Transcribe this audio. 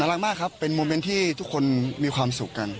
รักมากครับเป็นโมเมนต์ที่ทุกคนมีความสุขกัน